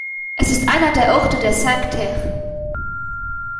Es ist einer der Orte der Cinque Terre.